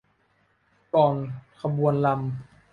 ก่อนขบวนรำ